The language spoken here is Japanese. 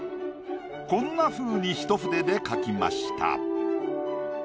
こんなふうに一筆で描きました。